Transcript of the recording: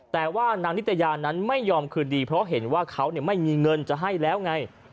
แต่ว่านางนิตยานั้นไม่ยอมคืนดีเพราะเห็นว่าเขาไม่มีเงินจะให้แล้วไง